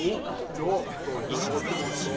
じゃあだいたいあってました。